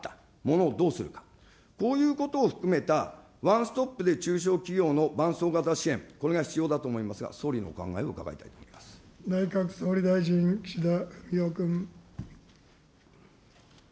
その人に合ったものをどうするか、こういうことを含めたワンストップで中小企業の伴走型支援、これが必要だと思いますが、総理のお内閣総理大臣、岸田文雄君。